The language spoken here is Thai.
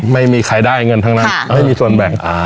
ไม่มีใครได้เงินทั้งนั้นไม่มีส่วนแบ่ง